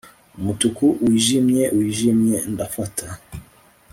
umutuku wijimye wijimye ndafata